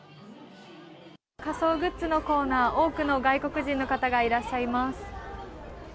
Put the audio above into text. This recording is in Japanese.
仮装グッズのコーナー、多くの外国人の方がいらっしゃいます。